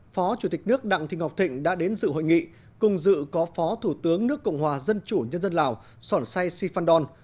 phó chủ tịch nước đặng thị ngọc thịnh đã đến dự hội nghị cùng dự có phó thủ tướng nước cộng hòa dân chủ nhân dân lào sòn say sifan don